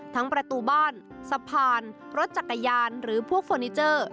ประตูบ้านสะพานรถจักรยานหรือพวกเฟอร์นิเจอร์